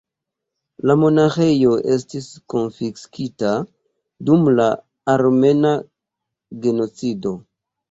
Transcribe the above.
La monaĥejo estis konfiskita dum la Armena genocido.